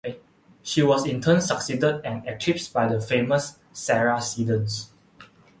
She was in turn succeeded and eclipsed by the famous Sarah Siddons.